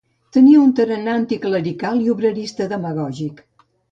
Tenia un tarannà anticlerical i obrerista demagògic.